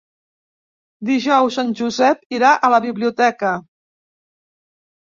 Dijous en Josep irà a la biblioteca.